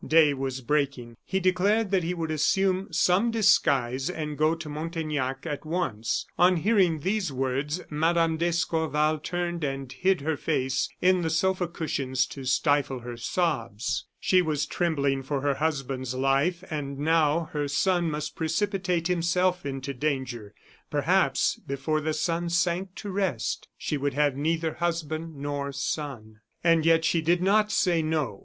Day was breaking; he declared that he would assume some disguise and go to Montaignac at once. On hearing these words, Mme. d'Escorval turned and hid her face in the sofa cushions to stifle her sobs. She was trembling for her husband's life, and now her son must precipitate himself into danger. Perhaps before the sun sank to rest, she would have neither husband nor son. And yet she did not say "no."